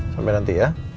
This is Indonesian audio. sampai nanti ya